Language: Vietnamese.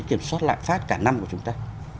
kiểm soát lạm phát cả năm của chúng ta